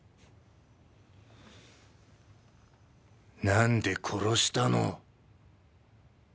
何で殺したの？